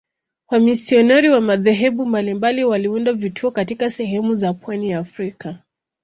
Wamisionari wa madhehebu mbalimbali waliunda vituo katika sehemu za pwani ya Afrika.